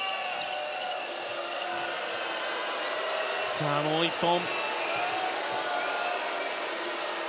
さあ、もう１本。